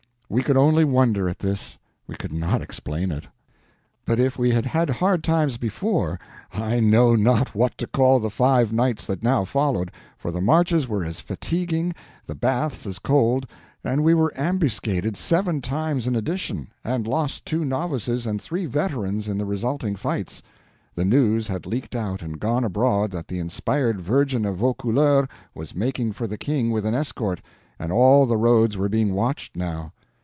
We could only wonder at this, we could not explain it. But if we had had hard times before, I know not what to call the five nights that now followed, for the marches were as fatiguing, the baths as cold, and we were ambuscaded seven times in addition, and lost two novices and three veterans in the resulting fights. The news had leaked out and gone abroad that the inspired Virgin of Vaucouleurs was making for the King with an escort, and all the roads were being watched now.